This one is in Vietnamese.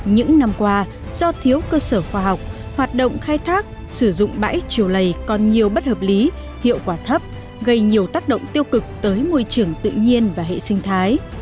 những năm qua do thiếu cơ sở khoa học hoạt động khai thác sử dụng bãi triều lầy còn nhiều bất hợp lý hiệu quả thấp gây nhiều tác động tiêu cực tới môi trường tự nhiên và hệ sinh thái